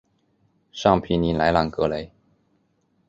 尚皮尼莱朗格雷。